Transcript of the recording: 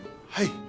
はい。